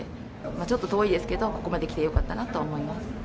ちょっと遠いですけど、ここまで来てよかったなと思います。